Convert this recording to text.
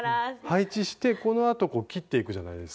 配置してこのあと切っていくじゃないですか。